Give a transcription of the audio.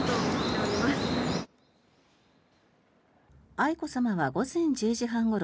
愛子さまは午前１０時半ごろ